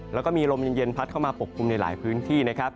แล้วก็มีลมเย็นพัดเข้ามาปกคลุมในหลายพื้นที่นะครับ